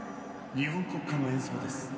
日本国歌の演奏です。